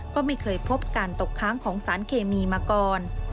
ก็ไม่เคยพบการตกค้างของสารเคมีมาก่อน